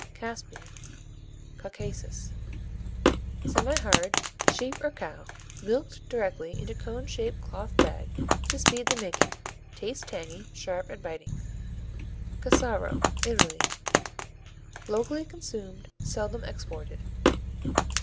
Caspian Caucasus Semihard. Sheep or cow, milked directly into cone shaped cloth bag to speed the making. Tastes tangy, sharp and biting. Cassaro Italy Locally consumed, seldom exported.